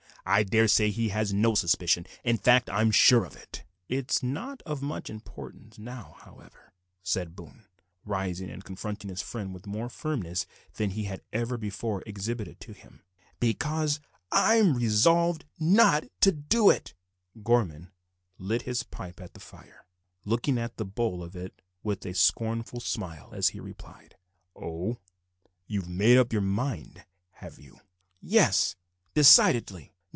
I daresay he has no suspicion. In fact, I am sure of it." "It's not of much importance now, however," said Boone, rising and confronting his friend with more firmness than he had ever before exhibited to him, "because I have resolved not to do it." Gorman lit his pipe at the fire, looking at the bowl of it with a scornful smile as he replied "Oh! you have made up your mind, have you?" "Yes, decidedly.